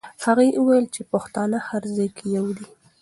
هغې وویل چې پښتانه هر ځای کې یو دي.